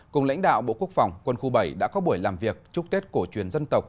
cùng lãnh đạo bộ quốc phòng quân khu bảy đã có buổi làm việc chúc tết cổ truyền dân tộc